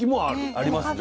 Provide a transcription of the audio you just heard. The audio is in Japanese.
ありますね。